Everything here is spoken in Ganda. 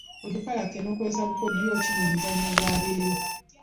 Onduparaka eneekozesa bukodyo ki mu muzannyo gwa leero?